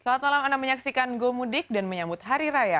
selamat malam anda menyaksikan go mudik dan menyambut hari raya